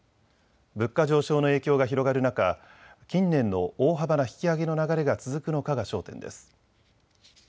物価上昇の影響が広がる中、近年の大幅な引き上げの流れが続くのかが焦点です。